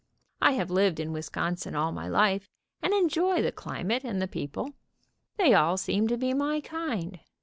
I have lived in Wisconsin all my life, and enjoy the climate and the people. They all seem lo be my kind.